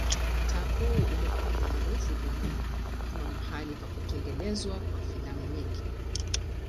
Mtaa huu umekuwa maarufu duniani kama mahali pa kutengenezwa kwa filamu nyingi.